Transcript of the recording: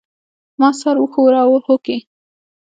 ما سر وښوراوه هوکې.